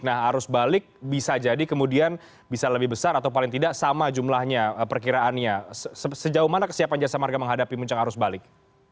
nah arus balik bisa jadi kemudian bisa lebih besar atau paling tidak sama jumlahnya perkiraannya sejauh mana kesiapan jasa marga menghadapi puncak arus balik